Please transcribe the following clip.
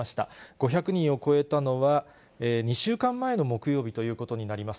５００人を超えたのは、２週間前の木曜日ということになります。